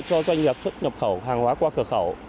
cho doanh nghiệp xuất nhập khẩu hàng hóa qua cửa khẩu